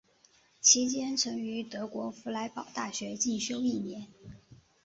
期间曾于德国佛莱堡大学进修一年。